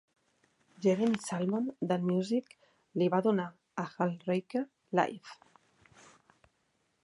Jeremy Salmon d'Allmusic li va donar a Hallraker: Live!